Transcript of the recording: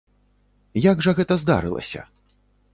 Як жа гэта здарылася?